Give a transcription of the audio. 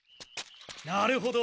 なるほど。